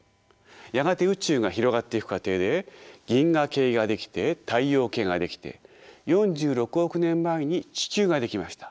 やがて宇宙が広がっていく過程で銀河系が出来て太陽系が出来て４６億年前に地球が出来ました。